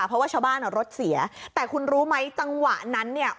เพราะว่าชาวบ้านอ่ะรถเสียแต่คุณรู้ไหมจังหวะนั้นเนี่ย